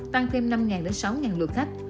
tăng thêm năm sáu lượt khách